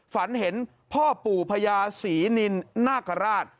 ฝันเห็นพ่อปู่พญาศรีนินนาคาราช